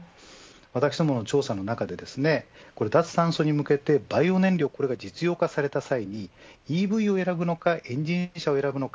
私どもの調査の中で脱炭素に向けてバイオ燃料これが実用化された際にＥＶを選ぶのかエンジン車を選ぶのか。